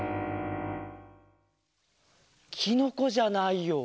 きのこじゃないよ。